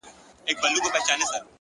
هره هڅه ارزښت رامنځته کوي,